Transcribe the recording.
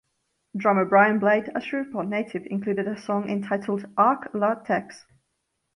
Drummer Brian Blade, a Shreveport native, included a song entitled Ark.La.Tex.